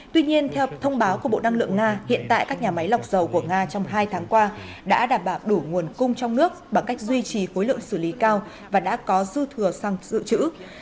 tuy nhiên theo thông báo của bộ đăng lượng nga hiện tại các nhà máy lọc dầu của nga trong hai tháng qua đã đảm bảo đủ nguồn cung trong nước bằng cách duy trì khối lượng xử lý cao và đã có dư thừa xăng dự trữ